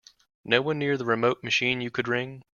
No one near the remote machine you could ring?